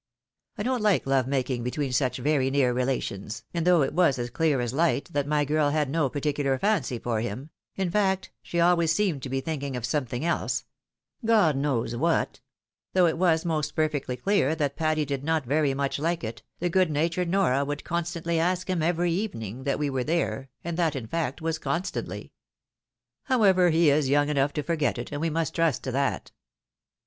I don't Kke love , making between such very near relations ; and though it was as clear as Mght that my girl had no particular fancy for him — ^in fact, she always seemed to be thinking of something else, God knows what — ^though it was most perfectly clear that Patty did not very much hke it, the good natured Nora would constantly ask him every evening that we were there, and that, in fact, was constantly. However, he is young enough to forget it, and we must trust to that."